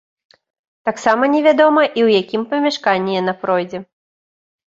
Таксама невядома і ў якім памяшканні яна пройдзе.